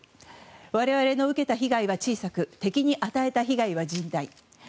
我々の受けた被害は小さく敵に与えた被害は甚大。